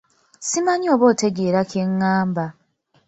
Simanyi oba otegeera kye ngamba.